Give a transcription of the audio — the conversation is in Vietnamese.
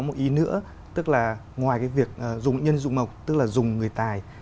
thế nữa tức là ngoài cái việc dùng nhân dụng mộc tức là dùng người tài